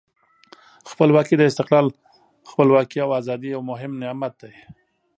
خپلواکي د استقلال، خپلواکي او آزادۍ یو مهم نعمت دی.